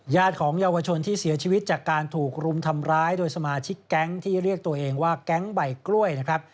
ของเยาวชนที่เสียชีวิตจากการถูกรุมทำร้ายโดยสมาชิกแก๊งที่เรียกตัวเองว่าแก๊งใบกล้วยนะครับ